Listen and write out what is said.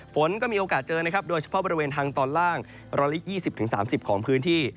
ฝนก็มีโอกาสเจอนะครับโดยเฉพาะบริเวณทางตอนล่าง๑๒๐๓๐ของพื้นที่